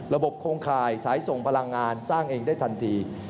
โครงข่ายสายส่งพลังงานสร้างเองได้ทันที